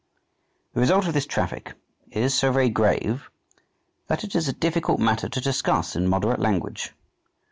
The result of this traffic is so very grave that it is a difficult matter to discuss in moderate language.